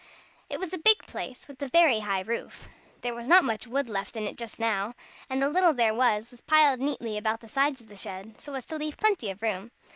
It was a big place, with a very high roof. There was not much wood left in it just now, and the little there was, was piled neatly about the sides of the shed, so as to leave plenty of room.